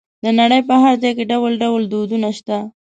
د نړۍ په هر ځای کې ډول ډول دودونه شته.